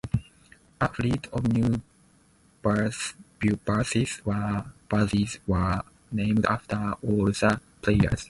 A fleet of new buses were named after all the players.